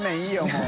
もう。